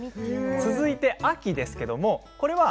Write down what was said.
続いて「秋」ですけども、これは。